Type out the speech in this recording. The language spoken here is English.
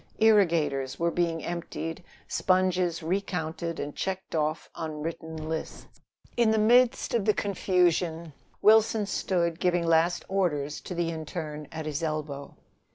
Irrigators were being emptied, sponges recounted and checked off on written lists. In the midst of the confusion, Wilson stood giving last orders to the interne at his elbow.